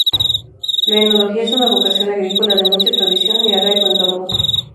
La enología es una vocación agrícola de mucha tradición y arraigo en Tormos.